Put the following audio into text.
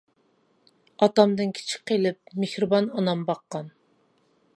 ئاتامدىن كىچىك قېلىپ، مېھرىبان ئانام باققان.